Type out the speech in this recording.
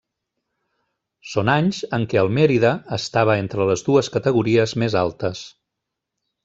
Són anys en què el Mérida estava entre les dues categories més altes.